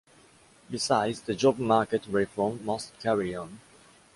Besides, the job market reform must carry on.